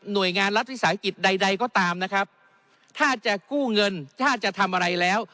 โดยงานรัฐวิสาหกิจใดใดก็ตามนะครับถ้าจะกู้เงินถ้าจะทำอะไรแล้ว